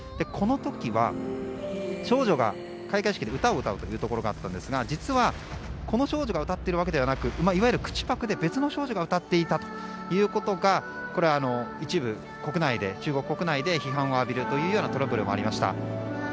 この時は少女が開会式で歌を歌うところがあったんですが実はこの少女が歌っているわけではなくいわゆる口パクで別の少女が歌っていたということが一部、中国国内で批判を浴びるというようなトラブルもありました。